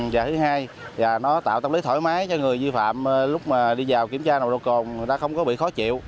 và thứ hai là nó tạo tâm lý thoải mái cho người vi phạm lúc mà đi vào kiểm tra nồng độ cồn người ta không có bị khó chịu